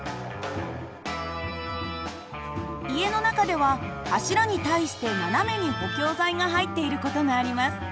家の中では柱に対して斜めに補強材が入っている事があります。